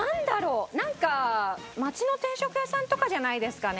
なんか町の定食屋さんとかじゃないですかね。